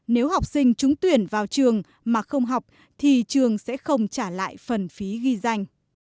nếu học sinh trúng tuyển vào trường mà không học thì trường sẽ không trả lại phần phí ghi danh